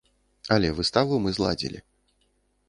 Але выставу мы зладзілі.